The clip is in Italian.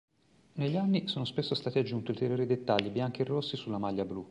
Negli anni sono spesso stati aggiunti ulteriori dettagli bianchi e rossi sulla maglia blu.